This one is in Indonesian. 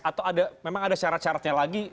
atau memang ada syarat syaratnya lagi